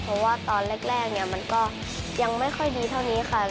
เพราะว่าตอนแรกเนี่ยมันก็ยังไม่ค่อยดีเท่านี้ค่ะ